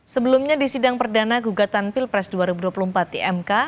sebelumnya di sidang perdana gugatan pilpres dua ribu dua puluh empat di mk